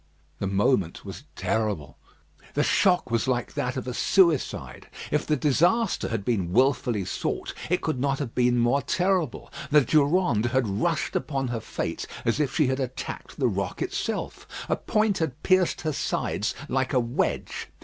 The moment was terrible. The shock was like that of a suicide. If the disaster had been wilfully sought, it could not have been more terrible. The Durande had rushed upon her fate as if she had attacked the rock itself. A point had pierced her sides like a wedge.